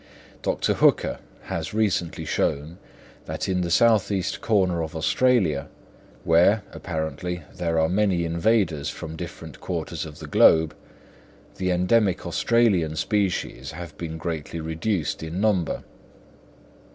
Dr. Hooker has recently shown that in the southeast corner of Australia, where, apparently, there are many invaders from different quarters of the globe, the endemic Australian species have been greatly reduced in number.